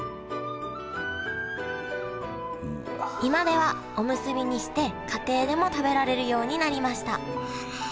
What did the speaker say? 今ではおむすびにして家庭でも食べられるようになりました。